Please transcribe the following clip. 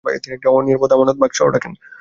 তিনি একটি নিরাপদ আমানত বাক্সে রাখেন।